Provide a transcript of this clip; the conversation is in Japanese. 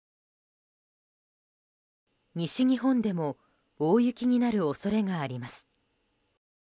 西日本でも大雪になる恐れがあります。